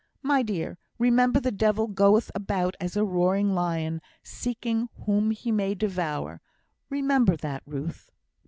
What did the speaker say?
"My dear, remember the devil goeth about as a roaring lion, seeking whom he may devour; remember that, Ruth."